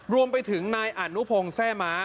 รวมไปถึงนายอานุพงแทร่ม้า